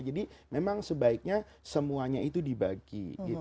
jadi memang sebaiknya semuanya itu dibagi